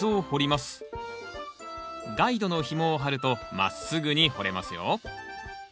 ガイドのひもを張るとまっすぐに掘れますよ。